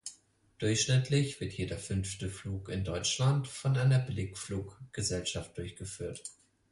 Durchschnittlich wird jeder fünfte Flug in Deutschland von einer Billigfluggesellschaft durchgeführt.